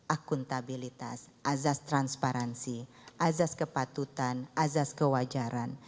akuntabilitas asas transparansi asas kepatutan asas kewajaran